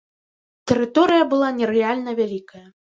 Тэрыторыя была нерэальна вялікая.